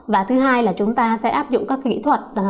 và thứ hai là chúng ta sẽ áp dụng các kỹ thuật